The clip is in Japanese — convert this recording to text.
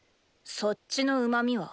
そっちのうまみは？